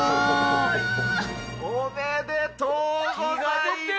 おめでとうございます。